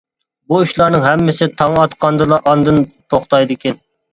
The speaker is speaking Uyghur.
بۇ ئىشلارنىڭ ھەممىسى تاڭ ئاتقاندىلا ئاندىن توختايدىكەن.